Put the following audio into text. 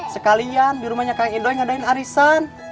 sekalian di rumahnya kang idoi ngadain harisan